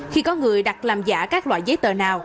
khi có người đặt làm giả các loại giấy tờ nào